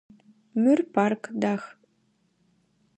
Мыр парк дах.